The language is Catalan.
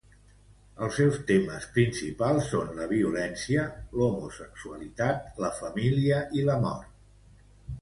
Els seus temes principals són la violència, l'homosexualitat, la família i la mort.